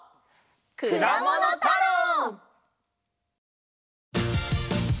「くだものたろう」！